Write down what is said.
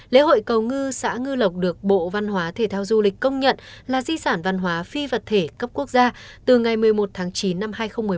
lễ hội cầu ngư xã ngư lộc được bộ văn hóa thể thao du lịch công nhận là di sản văn hóa phi vật thể cấp quốc gia từ ngày một mươi một tháng chín năm hai nghìn một mươi bảy